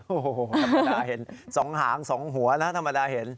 โอ้โหธรรมดาเห็น๒หาง๒หัวนะธรรมดาเห็น